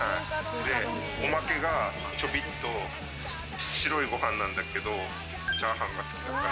おまけがちょびっと白いご飯なんだけど、チャーハンが好きだから。